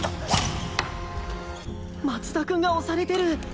松田君が押されてる。